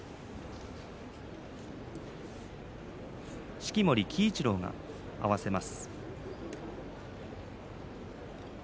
式守鬼一郎が合わせます。